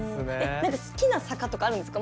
何か好きな坂とかあるんですか？